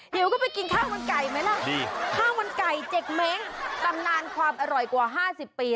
หิวก็ไปกินข้าวมันไก่ไหมล่ะดีข้าวมันไก่เจกเม้งตำนานความอร่อยกว่า๕๐ปี